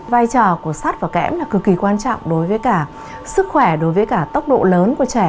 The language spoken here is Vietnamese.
vai trò của sát và kẽm là cực kỳ quan trọng đối với sức khỏe tốc độ lớn của trẻ